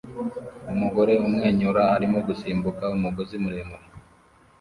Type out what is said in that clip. Umugore umwenyura arimo gusimbuka umugozi muremure